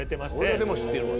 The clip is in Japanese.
俺でも知ってるわ。